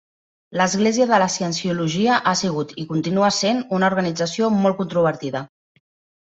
L'Església de la Cienciologia ha sigut i continua essent una organització molt controvertida.